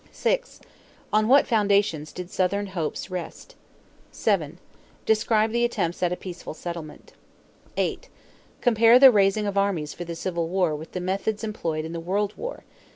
6. On what foundations did Southern hopes rest? 7. Describe the attempts at a peaceful settlement. 8. Compare the raising of armies for the Civil War with the methods employed in the World War.